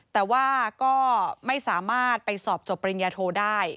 แต่ว่าก็ไม่สามารถไปสอบจบปริญญาโทได้